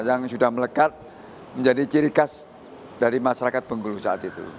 yang sudah melekat menjadi ciri khas dari masyarakat bengkulu saat itu